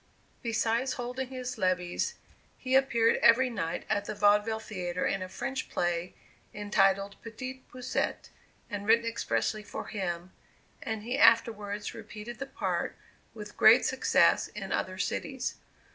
Besides holding his levees, he appeared every night at the Vaudeville Theatre in a French play, entitled "Petit Poucet," and written expressly for him, and he afterwards repeated the part with great success in other cities.